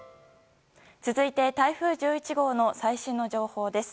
続いて、台風１１号の最新の情報です。